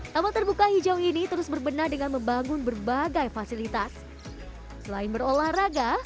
taman terbuka hijau ini terus berbenah dengan membangun berbagai fasilitas selain berolahraga